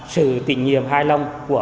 sự tình nhiệm hài lòng